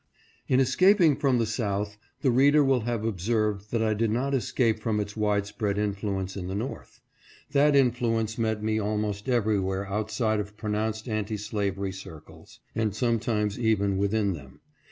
IN escaping from the South, the reader will have ob served that I did not escape from its widespread influence in the North. That influence met me almost everywhere outside of pronounced anti slavery circles, and sometimes even within them.